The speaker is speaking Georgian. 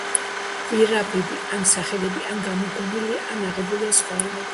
გვარები ან სახელები ან გამოგონილია, ან აღებულია სხვა ენებიდან.